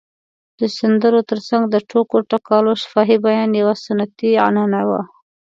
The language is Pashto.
د سندرو تر څنګ د ټوکو ټکالو شفاهي بیان یوه سنتي عنعنه وه.